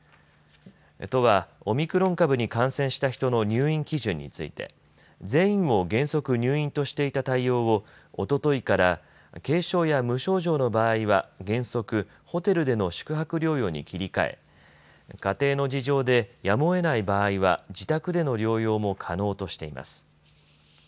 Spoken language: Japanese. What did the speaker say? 都はオミクロン株に感染した人の入院基準について全員を原則入院としていた対応をおとといから軽症や無症状の場合は原則、ホテルでの宿泊療養に切り替え家庭の事情でやむをえない場合は自宅での療養も可能としています。